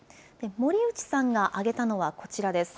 森内さんが挙げたのはこちらです。